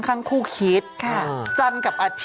ก็คือกินกะพรร่าว